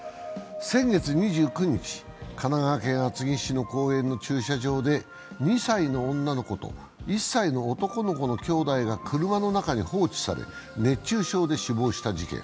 先月２９日、神奈川県厚木市の公園の駐車場で、２歳の女の子と１歳の男の子のきょうだいが車の中に放置され熱中症で死亡した事件。